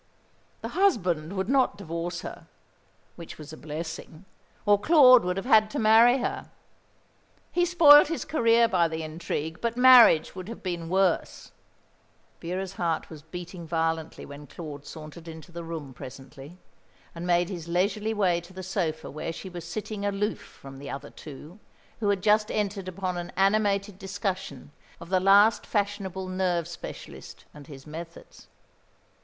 The husband would not divorce her which was a blessing or Claude would have had to marry her. He spoilt his career by the intrigue; but marriage would have been worse." Vera's heart was beating violently when Claude sauntered into the room presently, and made his leisurely way to the sofa where she was sitting aloof from the other two, who had just entered upon an animated discussion of the last fashionable nerve specialist and his methods.